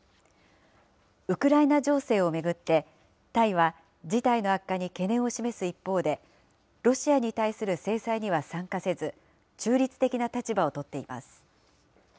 ウクライナ情勢を巡って、タイは事態の悪化に懸念を示す一方で、ロシアに対する制裁には参加せず、中立的な立場を取っています。